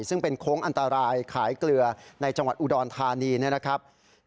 ซึ่งเป็นโค้งอันตรายขายเกลือในจังหวัดอุดรธานีนะครับ